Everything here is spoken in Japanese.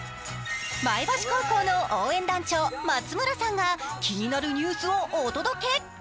前橋高校の応援団長、松村さんが気になるニュースをお届け。